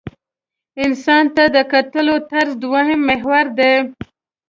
انسان ته د کتلو طرز دویم محور دی.